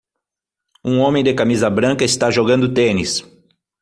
Um homem de camisa branca está jogando tênis.